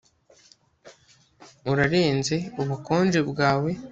Urarenze ubukonje bwawe